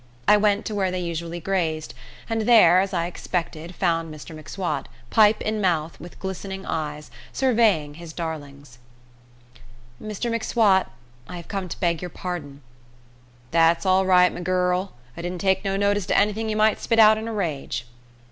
I went to where they usually grazed, and there, as I expected, found Mr M'Swat, pipe in mouth, with glistening eyes, surveying his darlings. "Mr M'Swat, I have come to beg your pardon." "That's all right, me gu r r r l. I didn't take no notice to anything ye might spit out in a rage."